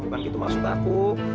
bukan gitu maksud aku